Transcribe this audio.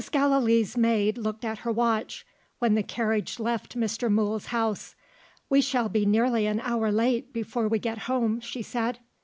Gallilee's maid looked at her watch, when the carriage left Mr. Mool's house. "We shall be nearly an hour late, before we get home," she said.